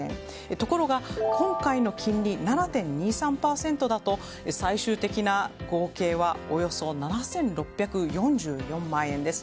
ところが今回の金利７．２３％だと最終的な合計はおよそ７６４４万円です。